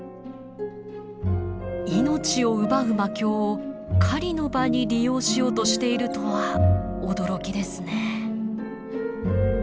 命を奪う魔境を狩りの場に利用しようとしているとは驚きですね。